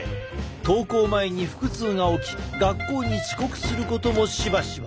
登校前に腹痛が起き学校に遅刻することもしばしば。